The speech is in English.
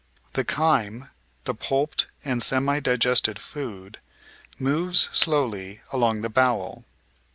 The chyme — ^the pulped and semi digested food — amoves slowly along the bowel.